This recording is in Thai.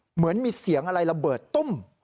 เหมือนมีเสียงอะไรระเบิดตุ้ม